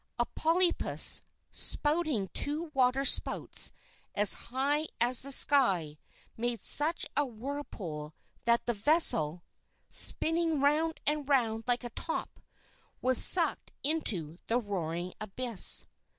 A polypus, spouting two water spouts as high as the sky, made such a whirlpool that the vessel, spinning round and round like a top, was sucked down into the roaring abyss.